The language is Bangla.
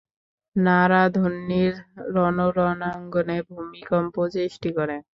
নারাধ্বনির রব রণাঙ্গনে ভূমিকম্প সৃষ্টি করে।